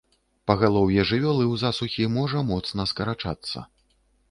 Пагалоўе жывёлы ў засухі можа моцна скарачацца.